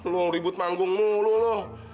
lo ribut manggung mulu loh